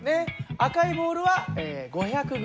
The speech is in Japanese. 赤いボールは５００ｇ。